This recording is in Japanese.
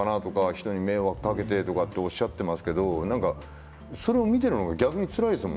人に迷惑をかけてとおっしゃっていましたけれどそれを見ているのが逆につらいですよ。